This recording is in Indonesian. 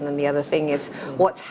dan hal lainnya adalah